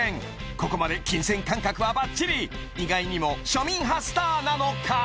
ここまで金銭感覚はバッチリ意外にも庶民派スターなのか？